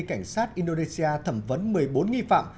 cảnh sát indonesia thẩm vấn một mươi bốn nghi phạm